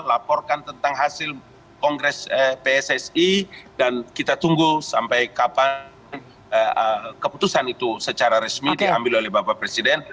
laporkan tentang hasil kongres pssi dan kita tunggu sampai kapan keputusan itu secara resmi diambil oleh bapak presiden